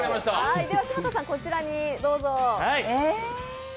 では、柴田さん、こちらにどうぞ。